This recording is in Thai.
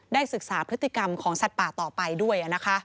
ศึกษาพฤติกรรมของสัตว์ป่าต่อไปด้วยนะคะ